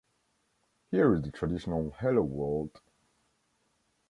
Here's the traditional Hello World!